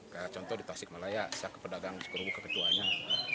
kayak contoh di taksik malaya saya ke pedagang ke kedua duanya kita menjelaskan